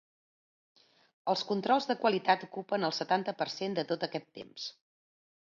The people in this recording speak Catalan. Els controls de qualitat ocupen el setanta per cent de tot aquest temps.